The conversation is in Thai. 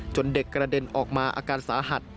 เด็กกระเด็นออกมาอาการสาหัส